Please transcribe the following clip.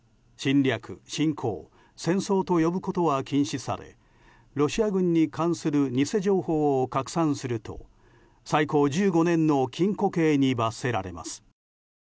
侵略、侵攻、戦争と呼ぶことは禁止されロシア軍に関する偽情報を拡散すると最高１５年の禁固刑に罰せられます。